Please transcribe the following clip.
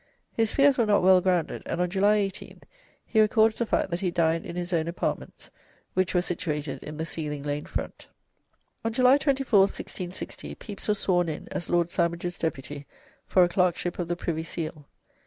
His fears were not well grounded, and on July 18th he records the fact that he dined in his own apartments, which were situated in the Seething Lane front. On July 24th, 1660, Pepys was sworn in as Lord Sandwich's deputy for a Clerkship of the Privy Seal.